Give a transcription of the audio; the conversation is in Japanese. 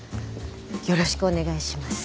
よろしくお願いします。